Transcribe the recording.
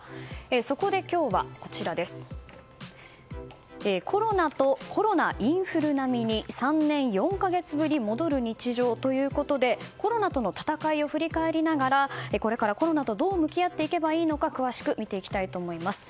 そこで、今日はコロナ、インフル並みに３年４か月ぶり戻る日常ということでコロナとの闘いを振り返りながらこれからコロナとどう向き合っていけばいいのか詳しく見ていきたいと思います。